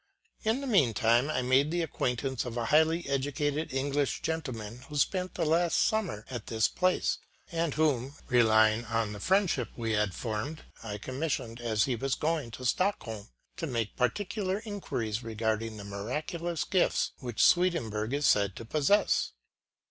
In the meantime I made the acquaintance of a highly educated English gentleman who spent the last summer at this place, and whom, relying on the friendship we had formed, I commissioned, as he was going to Stockholm, to make particular inquiries regarding the miraculous gifts which Swedenborg is said to possess.